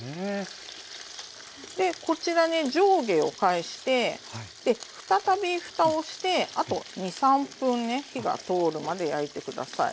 でこちらね上下を返して再びふたをしてあと２３分火が通るまで焼いて下さい。